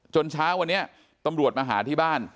เช้าวันนี้ตำรวจมาหาที่บ้าน